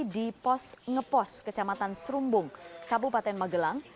di pos ngepos kecamatan serumbung kabupaten magelang